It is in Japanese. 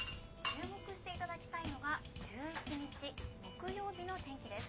注目していただきたいのが１１日木曜日の天気です。